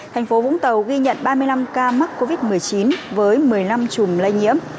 thành phố vũng tàu ghi nhận ba mươi năm ca mắc covid một mươi chín với một mươi năm chùm lây nhiễm